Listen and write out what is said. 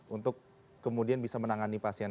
untuk kemudian bisa menangani pasien